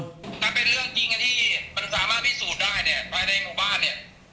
ถ้าเป็นเรื่องจริงที่มันสามารถพิสูจน์ได้เนี่ยภายในหมู่บ้านเนี่ย